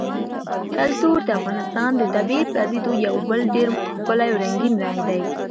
کلتور د افغانستان د طبیعي پدیدو یو بل ډېر ښکلی او رنګین رنګ دی.